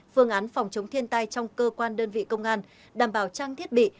phương án phòng chống thiên tai trong cơ quan đơn vị công an đảm bảo trang thiết bị